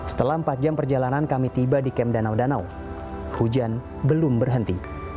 setelah empat jam perjalanan kami tiba di kem danau danau hujan belum berhenti